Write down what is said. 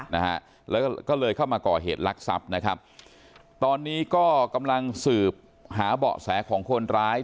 นะฮะแล้วก็ก็เลยเข้ามาก่อเหตุลักษัพนะครับตอนนี้ก็กำลังสืบหาเบาะแสของคนร้าย